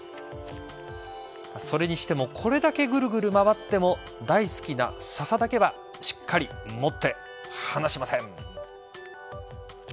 それにしてもこれだけぐるぐる回っても大好きな笹だけはしっかり持って離しません。